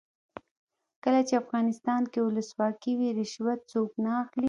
کله چې افغانستان کې ولسواکي وي رشوت څوک نه اخلي.